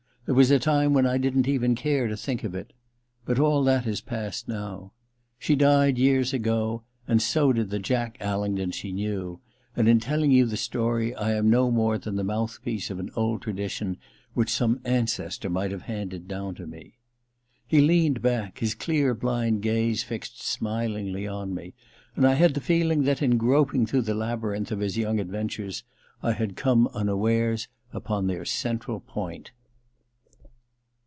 There was a time when I didn't even care to think of it — ^but all that is past now. She died years ago, and so did the Jack Alingdon she knew, and in telling you the story I am no more than the mouthpiece of an old tradition which some ancestor might have handed down to me.' He leaned back, his dear blind gaze fixed smilingly on me, and I had the feeling that, in groping through the labyrinth of his young adventures, I had come unawares upon their central point.